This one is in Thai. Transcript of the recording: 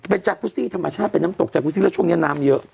เป็นแจ๊คูซี่ธรรมชาติเป็นน้ำตกแล้วช่วงนี้น้ำเยอะ